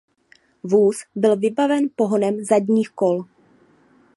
Vůz byl vybaven pohonem zadních kol.